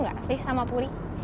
gak sih sama puri